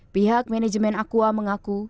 pihak manajemen aqua mengaku